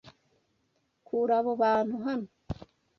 Kura abo bantu hano.